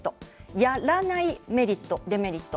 やらないメリット、デメリット。